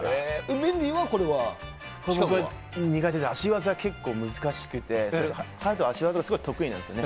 メンディーはこれは、シカゴ苦手で、足技結構難しくて、彼は足技すごい得意なんですよね。